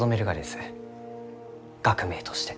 学名として。